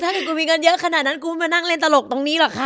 ถ้าเกิดกูมีเงินเยอะขนาดนั้นกูมานั่งเล่นตลกตรงนี้หรอกคะ